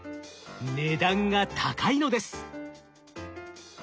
値段が高いのです。